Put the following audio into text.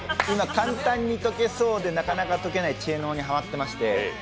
簡単に解けそうでなかなか解けない知恵の輪にハマってまして。